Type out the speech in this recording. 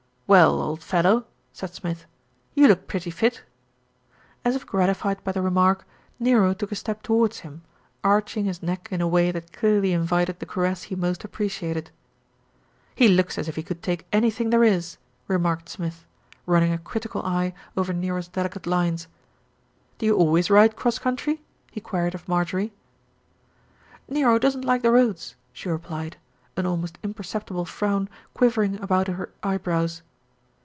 "Well, old fellow," said Smith. "You look pretty fit." As if gratified by the remark, Nero took a step towards him, arching his neck in a way that clearly invited the caress he most appreciated. "He looks as if he could take anything there is," remarked Smith, running a critical eye over Nero's 182 THE RETURN OF ALFRED delicate lines. "Do you always ride cross country?" he queried of Marjorie. "Nero doesn't like the roads," she replied, an almost imperceptible frown quivering about her eyebrows.